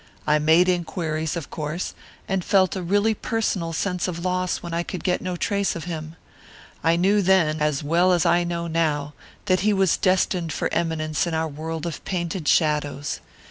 I made inquiries, of course, and felt a really personal sense of loss when I could get no trace of him. I knew then, as well as I know now, that he was destined for eminence in our world of painted shadows.